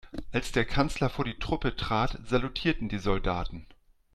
Als der Kanzler vor die Truppe trat, salutierten die Soldaten.